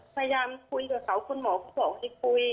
พยายามคุยกับเขาคุณหมอก็บอกให้คุย